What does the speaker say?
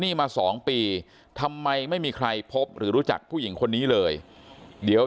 นี่มา๒ปีทำไมไม่มีใครพบหรือรู้จักผู้หญิงคนนี้เลยเดี๋ยว